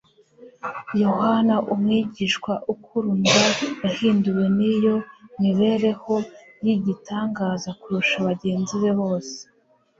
Yohana, umwigishwa ukurudwa yahinduwe n'iyo mibereho y'igitangaza kurusha bagenzi be bose.